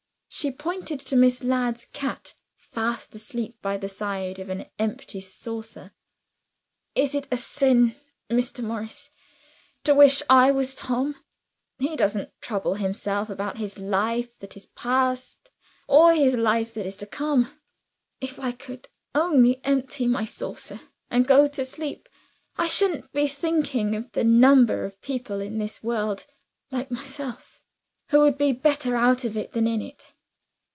She pointed to Miss Ladd's cat, fast asleep by the side of an empty saucer. "Is it a sin, Mr. Morris, to wish I was Tom? He doesn't trouble himself about his life that is past or his life that is to come. If I could only empty my saucer and go to sleep, I shouldn't be thinking of the number of people in this world, like myself, who would be better out of it than in it.